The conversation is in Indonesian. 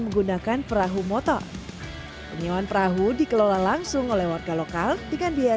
menggunakan perahu motor penyewaan perahu dikelola langsung oleh warga lokal dengan biaya